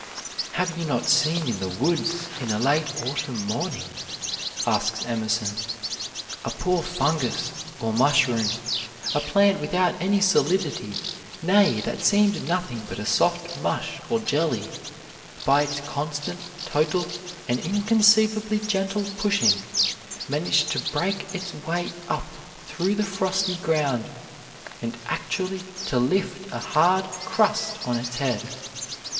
"Have you not seen in the woods, in a late autumn morning," asks Emerson, "a poor fungus, or mushroom, a plant without any solidity, nay, that seemed nothing but a soft mush or jelly, by its constant, total, and inconceivably gentle pushing, manage to break its way up through the frosty ground, and actually to lift a hard crust on its head?